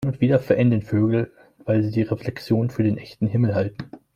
Hin und wieder verenden Vögel, weil sie die Reflexion für den echten Himmel halten.